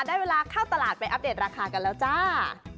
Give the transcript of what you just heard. ได้เวลาเข้าตลาดไปอัปเดตราคากันแล้วจ้า